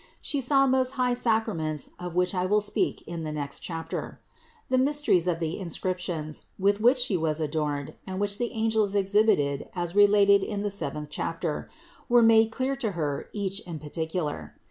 She saw most high sacra ments, of which I will speak in the next chapter. The mysteries of the inscriptions, with which She was adorned and which the angels exhibited as related in the 112 CITY OF GOD seventh chapter (No. 82, also Part I, 207, 363 4), were made clear to Her each in particular.